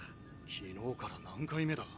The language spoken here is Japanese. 昨日から何回目だ？